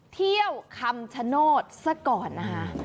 เที่ยวคำชโนธนะครับ